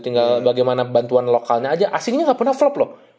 tinggal bagaimana bantuan lokalnya aja aslinya gak pernah flop loh